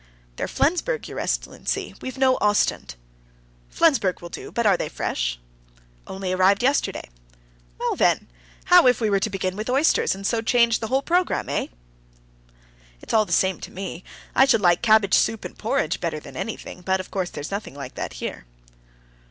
"They're Flensburg, your excellency. We've no Ostend." "Flensburg will do, but are they fresh?" "Only arrived yesterday." "Well, then, how if we were to begin with oysters, and so change the whole program? Eh?" "It's all the same to me. I should like cabbage soup and porridge better than anything; but of course there's nothing like that here."